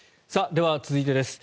では、続いてです。